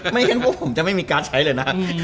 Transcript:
ไม่เคยว่าผมจะไม่มีการ์ดใช้เลยนะ